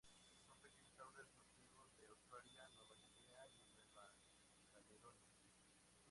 Son pequeños árboles nativos de Australia, Nueva Guinea y Nueva Caledonia.